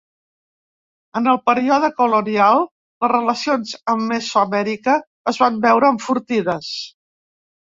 En el període Colonial, les relacions amb Mesoamèrica es van veure enfortides.